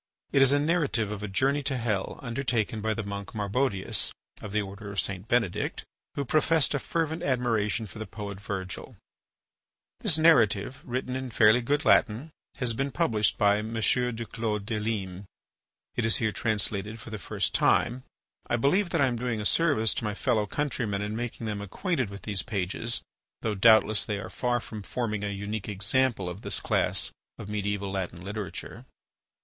It is a narrative of a journey to hell undertaken by the monk Marbodius, of the order of St. Benedict, who professed a fervent admiration for the poet Virgil. This narrative, written in fairly good Latin, has been published by M. du Clos des Limes. It is here translated for the first time. I believe that I am doing a service to my fellow countrymen in making them acquainted with these pages, though doubtless they are far from forming a unique example of this class of mediaeval Latin literature.